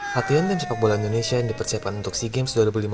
latihan tim sepak bola indonesia yang dipersiapkan untuk sea games dua ribu lima belas